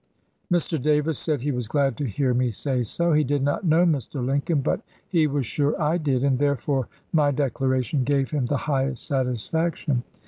Mr. Davis said he was glad to hear me say so. He did not know Mr. Lincoln; but he was sure I did, and therefore my declaration gave him the highest satisfaction.